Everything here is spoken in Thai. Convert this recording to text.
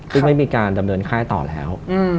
ซึ่งไม่มีการดำเนินค่ายต่อแล้ว